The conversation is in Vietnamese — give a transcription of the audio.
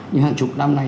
như hàng chục năm nay